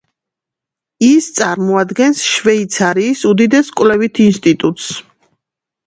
ის წარმოადგენს შვეიცარიის უდიდეს კვლევით ინსტიტუტს.